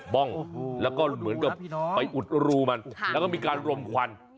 บ้องแล้วก็เหมือนกับไปอุดรูมันแล้วก็มีการรมควัน